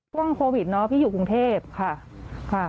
ช่วงโควิดพี่อยู่กรุงเทพฯค่ะ